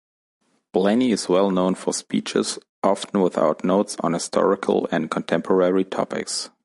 Blainey is well known for speeches, often without notes, on historical and contemporary topics.